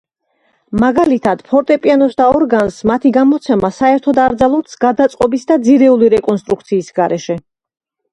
მაგალითად, ფორტეპიანოს და ორგანს მათი გამოცემა საერთოდ არ ძალუძს გადაწყობის ან ძირეული რეკონსტრუქციის გარეშე.